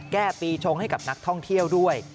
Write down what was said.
แก้ปีชงให้กับนักท่องเที่ยวด้วย